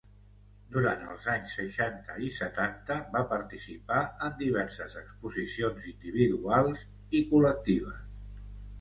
Durant els anys seixanta i setanta va participar en diverses exposicions individuals i col·lectives.